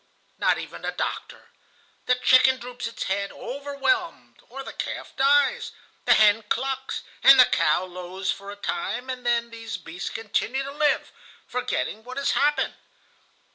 not even a doctor! The chicken droops its head, overwhelmed, or the calf dies; the hen clucks and the cow lows for a time, and then these beasts continue to live, forgetting what has happened.